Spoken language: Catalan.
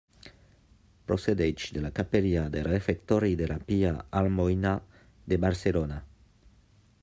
Procedeix de la capella del refectori de la Pia Almoina de Barcelona.